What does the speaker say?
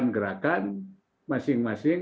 jangan melanggar undang undang